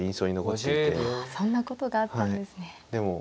ああそんなことがあったんですね。